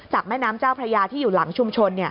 แม่น้ำเจ้าพระยาที่อยู่หลังชุมชน